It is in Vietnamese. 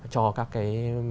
cho các cái